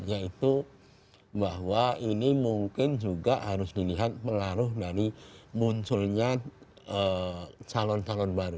yaitu bahwa ini mungkin juga harus dilihat pengaruh dari munculnya calon calon baru